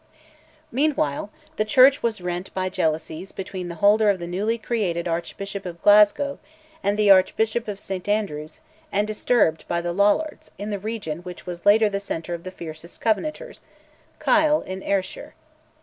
Meanwhile, the Church was rent by jealousies between the holder of the newly created Archbishop of Glasgow (1491) and the Archbishop of St Andrews, and disturbed by the Lollards, in the region which was later the centre of the fiercest Covenanters, Kyle in Ayrshire.